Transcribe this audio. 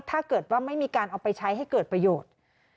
ถ้าเกิดว่าไม่มีการเอาไปใช้ให้เกิดประโยชน์